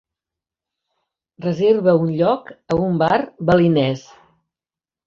reserva un lloc a un bar balinès